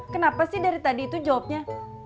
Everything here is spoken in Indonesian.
kenapa sih dari tadi itu jawabnya